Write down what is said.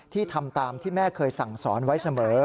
ทำตามที่แม่เคยสั่งสอนไว้เสมอ